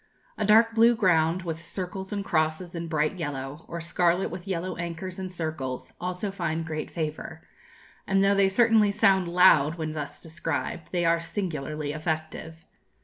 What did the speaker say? A dark blue ground with circles and crosses in bright yellow, or scarlet with yellow anchors and circles, also find great favour; and though they certainly sound 'loud' when thus described, they are singularly effective.